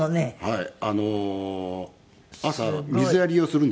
はい。